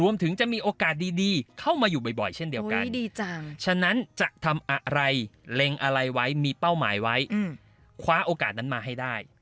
มีทางอะไรไว้มีเป้าหมายไว้คว้าโอกาสนั้นมาให้ได้